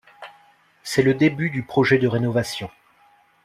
C’est le début du projet de rénovation.